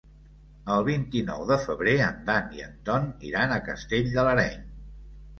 El vint-i-nou de febrer en Dan i en Ton iran a Castell de l'Areny.